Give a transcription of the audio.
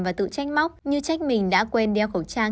và tự tranh móc như trách mình đã quên đeo khẩu trang